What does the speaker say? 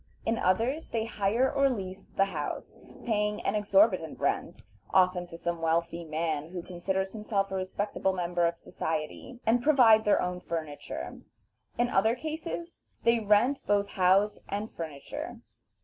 In others they hire or lease the house, paying an exorbitant rent (often to some wealthy man who considers himself a respectable member of society), and provide their own furniture; in other cases they rent both house and furniture.